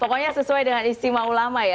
pokoknya sesuai dengan istimewa ulama ya